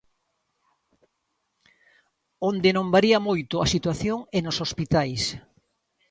Onde non varía moito a situación é nos hospitais.